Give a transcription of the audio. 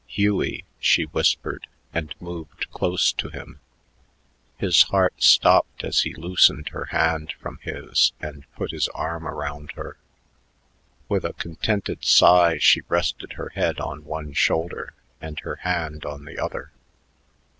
"Hughie," she whispered and moved close to him. His heart stopped as he loosened her hand from his and put his arm around her. With a contented sigh she rested her head on one shoulder and her hand on the other.